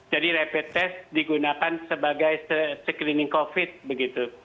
jadi rapid test digunakan sebagai screening covid begitu